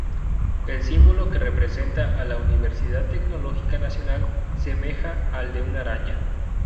El símbolo que representa a la Universidad Tecnológica Nacional semeja al de una araña.